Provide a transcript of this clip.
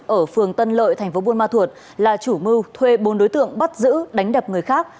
ở phường tân lợi thành phố buôn ma thuột là chủ mưu thuê bốn đối tượng bắt giữ đánh đập người khác